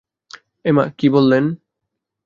এমা, কী বলেন!